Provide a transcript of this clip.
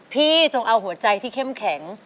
จงเอาหัวใจที่เข้มแข็ง